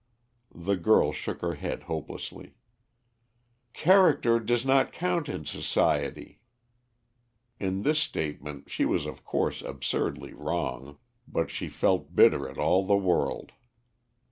The girl shook her head hopelessly. "Character does not count in society." In this statement she was of course absurdly wrong, but she felt bitter at all the world.